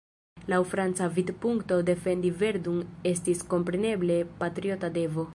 Laŭ franca vidpunkto, defendi Verdun estis kompreneble patriota devo.